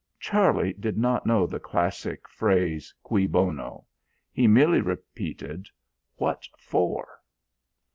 Charlie did not know the classic phrase, "Cui bono." He merely repeated: "What for?"